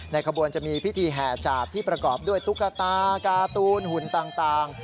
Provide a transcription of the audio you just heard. ขบวนจะมีพิธีแห่จาดที่ประกอบด้วยตุ๊กตาการ์ตูนหุ่นต่าง